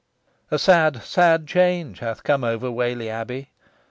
A sad, sad change hath come over Whalley Abbey.